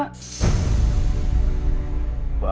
bapak cuma ingin ibumu bahagia